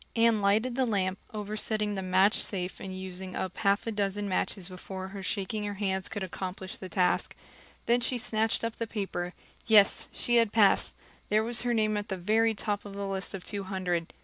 Anne lighted the lamp, oversetting the match safe and using up half a dozen matches before her shaking hands could accomplish the task. Then she snatched up the paper. Yes, she had passed there was her name at the very top of a list of two hundred!